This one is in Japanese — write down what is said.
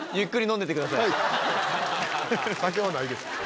酒はないです。